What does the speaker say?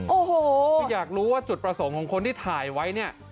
โอ้โหคืออยากรู้ว่าจุดประสงค์ของคนที่ถ่ายไว้เนี่ย